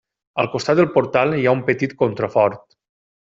Al costat del portal hi ha un petit contrafort.